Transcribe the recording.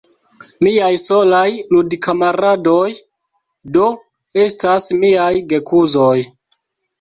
Miaj solaj ludkamaradoj, do, estas miaj gekuzoj.